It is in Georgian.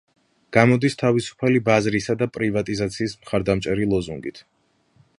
გამოდის თავისუფალი ბაზრისა და პრივატიზაციის მხარდამჭერი ლოზუნგით.